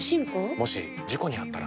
もし事故にあったら？